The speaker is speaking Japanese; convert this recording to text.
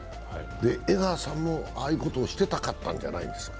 江川さんもああいうことをしたかったんじゃないですか。